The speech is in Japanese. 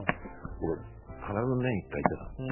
僕は必ず年一回行ってたんです。